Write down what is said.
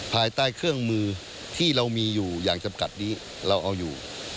ภายใต้เครื่องมือที่เรามีอยู่อย่างจำกัดนี้เราเอาอยู่